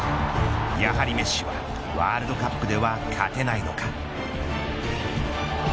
やはりメッシはワールドカップでは勝てないのか。